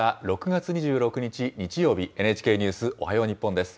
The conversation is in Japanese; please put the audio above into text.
６月２６日日曜日、ＮＨＫニュースおはよう日本です。